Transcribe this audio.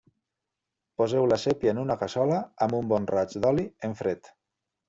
Poseu la sépia en una cassola amb un bon raig d'oli, en fred.